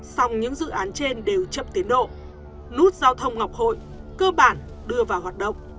song những dự án trên đều chậm tiến độ nút giao thông ngọc hội cơ bản đưa vào hoạt động